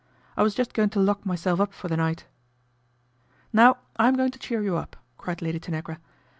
" II was just going to lock myself up for the night." " Now I'm going to cheer you up," cried Lady Tanagra.